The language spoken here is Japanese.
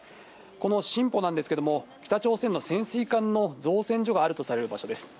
このシンポなんですけれども、北朝鮮の潜水艦の造船所があるとされる場所です。